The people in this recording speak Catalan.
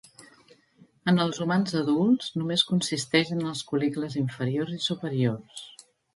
En els humans adults, només consisteix en els col·licles inferiors i superiors.